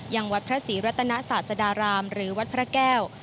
ยังวัดพระศรีรัตนศาสดารามหรือวัดพระแก้ว